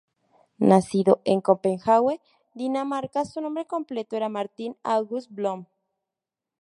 Nacido en Copenhague, Dinamarca, su nombre completo era Martin August Blom.